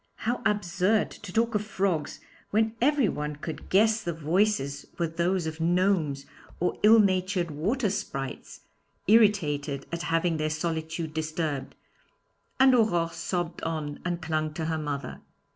How absurd to talk of frogs when everyone could guess the voices were those of gnomes or ill natured water sprites, irritated at having their solitude disturbed, and Aurore sobbed on, and clung to her mother.